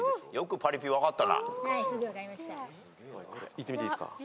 いってみていいっすか？